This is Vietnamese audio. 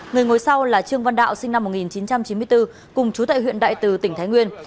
người ngồi sau là trương văn đạo sinh năm một nghìn chín trăm chín mươi bốn cùng chú tại huyện đại từ tỉnh thái nguyên